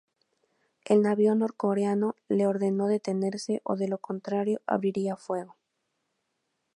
El navío norcoreano le ordenó detenerse, o de lo contrario abriría fuego.